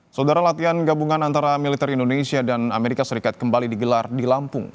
saudara latihan gabungan antara militer indonesia dan amerika serikat kembali digelar di lampung